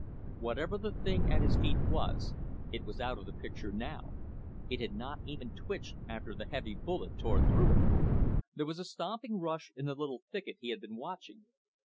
Whatever the thing at his feet was, it was out of the picture now it had not even twitched after the heavy bullet tore through it. There was a stomping rush in the little thicket he had been watching.